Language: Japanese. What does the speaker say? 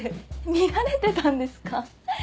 見られてたんですか？